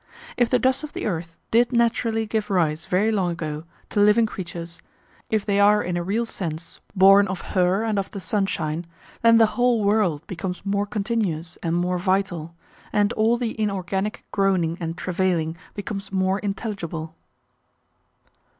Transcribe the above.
If the dust of the earth did naturally give rise very long ago to living creatures, if they are in a real sense born of her and of the sunshine, then the whole world becomes more continuous and more vital, and all the inorganic groaning and travailing becomes more intelligible.